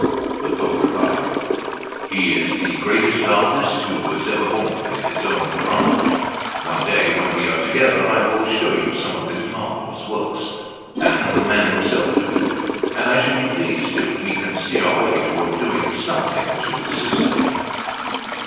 The Pope replied: "He is the greatest artist who was ever born in his own craft; one day, when we are together, I will show you some of his marvellous works, and the man himself to boot; and I shall be pleased if we can see our way toward doing something to assist him."